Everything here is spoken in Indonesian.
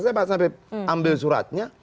saya sampai ambil suratnya